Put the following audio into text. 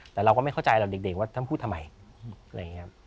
แต่เราก็ไม่เข้าใจหรอกเด็กว่าท่านพูดทำไมอะไรอย่างนี้